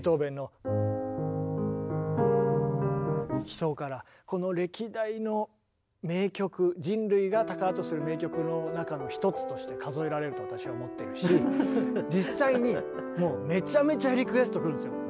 「悲愴」からこの歴代の名曲人類が宝とする名曲の中の一つとして数えられると私は思っているし実際にもうめちゃめちゃリクエストくるんですよ。